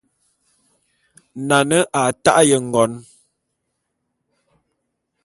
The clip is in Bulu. Nane a ta'e ngon.